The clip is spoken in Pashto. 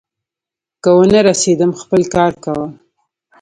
که ونه رسېدم، خپل کار کوه.